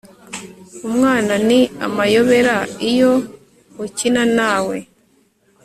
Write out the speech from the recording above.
Umwana ni amayobera iyo ukina nawe